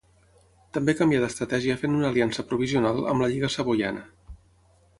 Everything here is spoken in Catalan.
També canvià d'estratègia fent una aliança provisional amb la Lliga Savoiana.